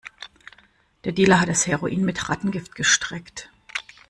Der Dealer hat das Heroin mit Rattengift gestreckt.